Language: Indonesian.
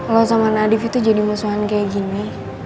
lo sama nadif itu jadi musuhan kayak gini